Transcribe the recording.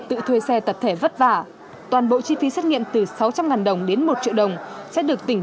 tự thuê xe tập thể vất vả toàn bộ chi phí xét nghiệm từ sáu trăm linh đồng đến một triệu đồng sẽ được tỉnh